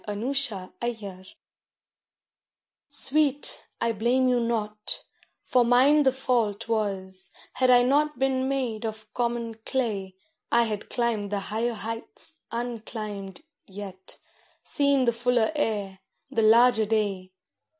FLOWER OF LOVE SWEET, I blame you not, for mine the fault was, had I not been made of common clay I had climbed the higher heights unclimbed yet, seen the fuller air, the larger day.